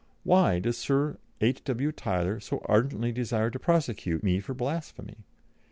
Why does Sir H.W. Tyler so ardently desire to prosecute, me for blasphemy?